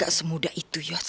gak semudah itu yos